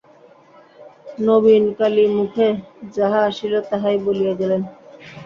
নবীনকালী মুখে যাহা আসিল তাহাই বলিয়া গেলেন।